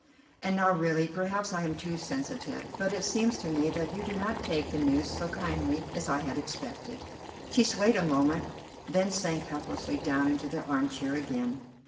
And now, really perhaps I am too sensitive, but it seems to me that you do not take the news so kindly as I had expected." She swayed a moment, then sank helplessly down into the armchair again.